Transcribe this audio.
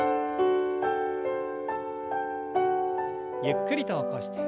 ゆっくりと起こして。